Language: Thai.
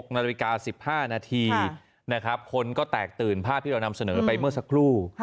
๖นาฬิกา๑๕นาทีนะครับคนก็แตกตื่นภาพที่เรานำเสนอไปเมื่อสักครู่